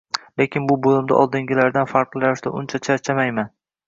Lekin bu bo`limda oldingilaridan farqli ravishda uncha charchamayman